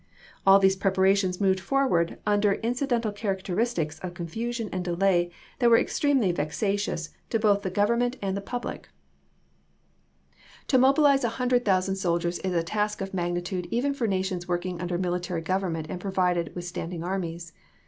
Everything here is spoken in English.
All these preparations moved forward under inci dental characteristics of confusion and delay that were extremely vexatious to both the Grovernment 204 ABRAHAM LINCOLN chap.x. and the public. To mobilize a hundred thousand soldiers is a task of magnitude even for nations working under military government and provided with standing armies.